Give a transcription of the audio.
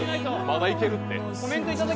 まだいけるって。